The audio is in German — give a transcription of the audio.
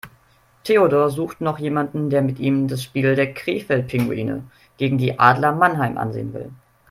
Theodor sucht noch jemanden, der mit ihm das Spiel der Krefeld Pinguine gegen die Adler Mannheim ansehen will.